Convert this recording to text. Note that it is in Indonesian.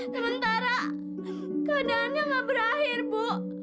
sementara keadaannya nggak berakhir bu